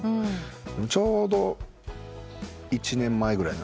ちょうど１年前ぐらい。